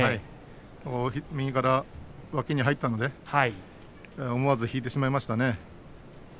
右から入ったので思わず引いてしまいましたね。